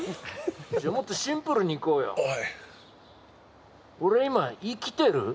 じゃあもっとシンプルにいこうはい俺今生きてる？